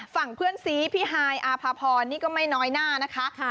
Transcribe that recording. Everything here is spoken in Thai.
ฝั่งเพื่อนซีพี่ฮายอาภาพรนี่ก็ไม่น้อยหน้านะคะ